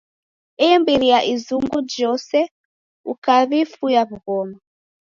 Imbiri ya izungu jose ukaw'ifuya w'ughoma.